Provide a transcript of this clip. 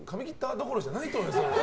どころじゃないですよ。